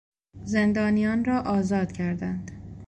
زندانیان را آزاد کردند.